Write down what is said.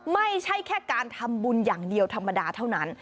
ไม่ใช่แค่การทำบุญอย่างเดียวธรรมดาเท่านั้น